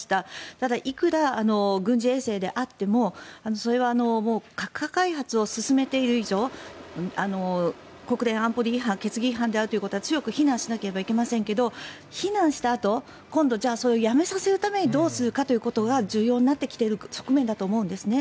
ただ、いくら軍事衛星であってもそれは核開発を進めている以上国連安保理決議違反であることは強く非難しなければいけませんけど、非難したあと今度、それをやめさせるためにどうするかが重要になってきている状況だと思うんですね。